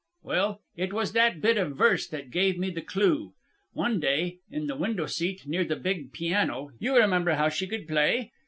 Well, it was that bit of verse that gave me the clue. One day, in the window seat near the big piano you remember how she could play?